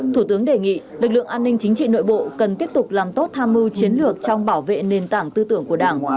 thủ tướng đề nghị lực lượng an ninh chính trị nội bộ cần tiếp tục làm tốt tham mưu chiến lược trong bảo vệ nền tảng tư tưởng của đảng